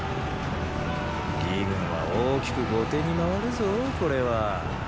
魏軍は大きく後手に回るぞこれは。